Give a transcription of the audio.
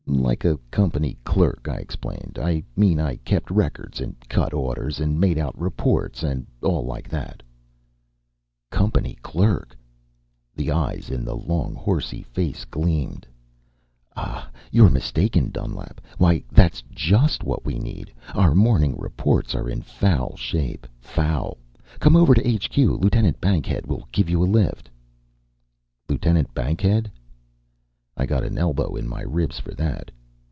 "Like a company clerk," I explained. "I mean I kept records and cut orders and made out reports and all like that." "Company clerk!" The eyes in the long horsy face gleamed. "Ah, you're mistaken, Dunlap! Why, that's just what we need. Our morning reports are in foul shape. Foul! Come over to HQ. Lieutenant Bankhead will give you a lift." "Lieutenant Bankhead?" I got an elbow in my ribs for that.